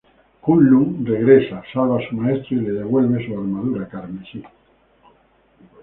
Kunlun regresa, salva a su maestro y le devuelve su armadura carmesí.